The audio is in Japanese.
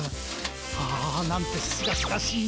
ああなんてすがすがしい。